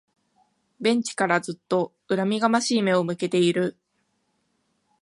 ベンチからずっと恨みがましい目を向けている